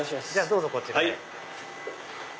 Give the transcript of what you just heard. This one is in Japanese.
どうぞこちらへ。